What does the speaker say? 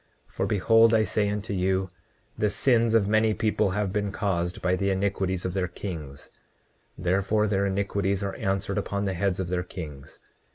29:31 For behold I say unto you, the sins of many people have been caused by the iniquities of their kings; therefore their iniquities are answered upon the heads of their kings.